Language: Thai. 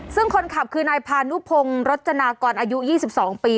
ซึ่งคนขับคือนายพานุพงศ์รจจนากรอายุยี่สิบสองปี